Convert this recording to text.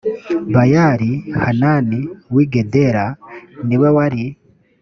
bayali hanani w i gedera ni we wari